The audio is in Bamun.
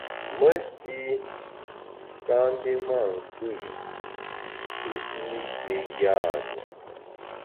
Mesi kâ mbi mâ nkpù i, mfüt mi yé yam’i.